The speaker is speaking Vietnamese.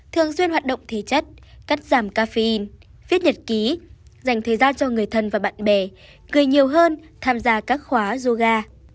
thường xuyên hoạt động thể chất cắt giảm cafein viết nhật ký dành thời gian cho người thân và bạn bè người nhiều hơn tham gia các khóa yoga